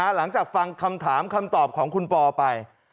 หลังจากฟังคำถามคำตอบของคุณปอไป